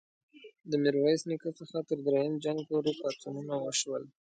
د میرویس نیکه څخه تر دریم جنګ پوري پاڅونونه وشول.